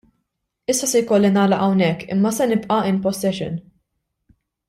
Issa se jkolli nagħlaq hawnhekk imma se nibqa' in possession.